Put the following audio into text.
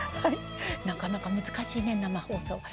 なかなか難しいね、生放送。